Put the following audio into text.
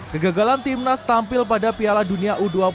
kegegalan tim nas tampil pada piala dunia u dua puluh